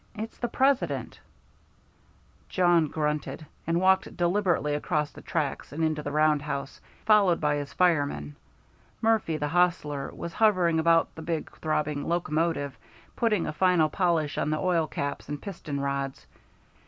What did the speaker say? It's the President!" Jawn grunted, and walked deliberately across the tracks and into the roundhouse, followed by his fireman. Murphy, the hostler, was hovering about the big throbbing locomotive, putting a final polish on the oil cups and piston rods.